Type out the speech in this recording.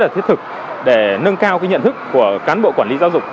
và rất là thiết thực để nâng cao nhận thức của cán bộ quản lý giáo dục